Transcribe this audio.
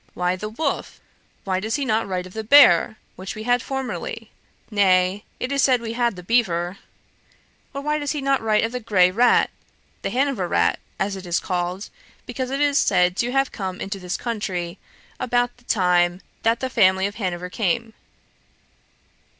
why the wolf? Why does he not write of the bear, which we had formerly? Nay, it is said we had the beaver. Or why does he not write of the grey rat, the Hanover rat, as it is called, because it is said to have come into this country about the time that the family of Hanover came?